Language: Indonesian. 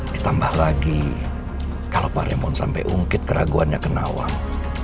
ditambah lagi kalau paremon sampai ungkit keraguannya ke nawang